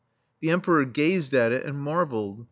The Emperor gazed at it and mar velled.